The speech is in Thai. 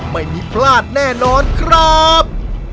ไม่มีพลาดแน่นอนครับ